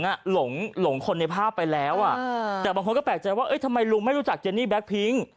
หลงคนในภาพไปแล้วแต่บางคนก็แปลกใจว่าทำไมลุงไม่รู้จักเจนี่แบ็คพิ้ง